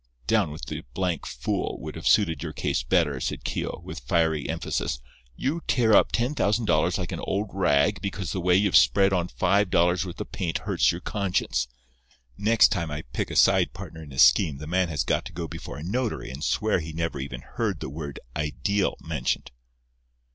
"'Down with the blank fool' would have suited your case better," said Keogh, with fiery emphasis. "You tear up ten thousand dollars like an old rag because the way you've spread on five dollars' worth of paint hurts your conscience. Next time I pick a side partner in a scheme the man has got to go before a notary and swear he never even heard the word 'ideal' mentioned."